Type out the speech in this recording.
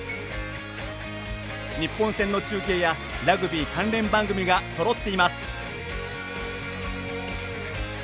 日本戦の中継やラグビー関連番組がそろっています。